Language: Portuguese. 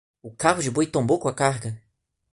O carro de boi tombou com a carga